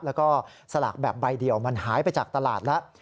แล้วก็สลากแบบใบเดียวมันหายไปจากตลาดแล้ว